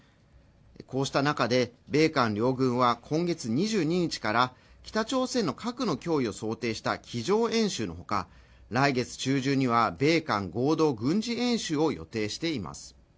こうした中で米韓両軍は今月２０日から北朝鮮の核の脅威を想定した机上演習のほか来月中旬には米韓合同軍事演習を予定しています